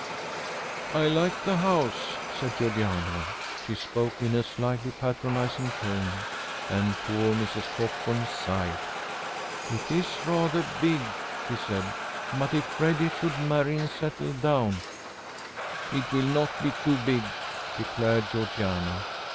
"I like the house," said Georgiana. She spoke in a slightly patronising tone, and poor Mrs. Cockburn sighed. "It is rather big," she said. "But if Freddy should marry and settle down " "It will not be too big," declared Georgiana.